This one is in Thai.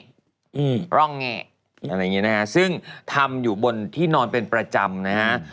อะไรอย่างนี้นะครับซึ่งทำอยู่บนที่นอนเป็นประจำนะฮะ